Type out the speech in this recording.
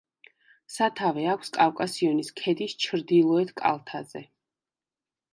სათავე აქვს კავკასიონის ქედის ჩრდილოეთ კალთაზე.